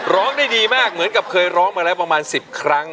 ร้องได้ดีมากเหมือนกับเคยร้องมาแล้วประมาณ๑๐ครั้ง